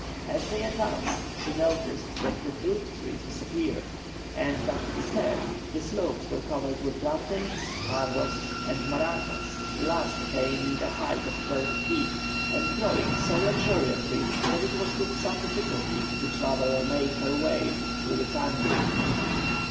As they advanced, she noticed that the fruit trees disappeared, and that instead the slopes were covered with plantains, tarros, and marantas, the last attaining a height of twelve feet, and growing so luxuriantly that it was with some difficulty the traveller made her way through the tangle.